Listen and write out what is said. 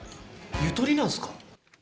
ゆとりなんすか？